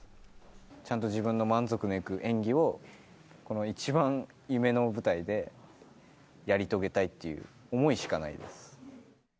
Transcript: ちゃんと自分の満足のいく演技を、この一番夢の舞台でやり遂げたいっていう思いしかないです。